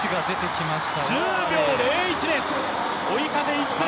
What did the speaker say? １０秒０１です。